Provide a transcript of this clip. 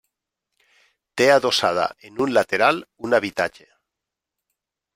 Té adossada en un lateral un habitatge.